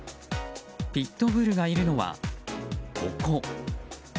ピットブルがいるのはここ。